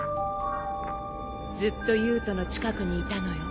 ずっと優人の近くにいたのよ。